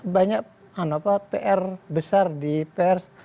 banyak pr besar di pers